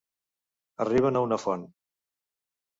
Arriben a una font.